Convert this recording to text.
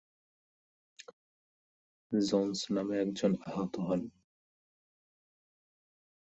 Jones নামে একজন আহত হন।